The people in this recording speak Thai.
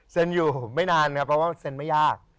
อยู่ไม่นานครับเพราะว่าเซ็นไม่ยาก